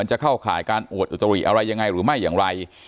จะเข้าข่ายการอวดอุตริอะไรยังไงหรือไม่อย่างไร